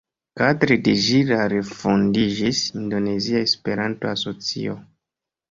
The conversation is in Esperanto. Kadre de ĝi la refondiĝis Indonezia Esperanto-Asocio.